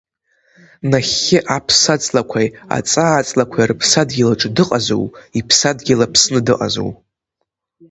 Нахьхьи, аԥсаҵлақәеи аҵааҵлақәеи рыԥсадгьыл аҿы дыҟазу, иԥсадгьыл Аԥсны дыҟазу.